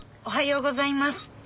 「おはようございます！」